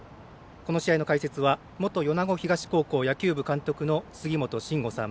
この試合の解説は元米子東高校杉本真吾さん。